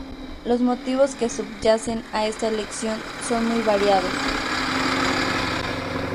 Los motivos que subyacen a esta elección son muy variados.